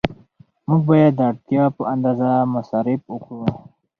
موږ باید د اړتیا په اندازه مصرف وکړو.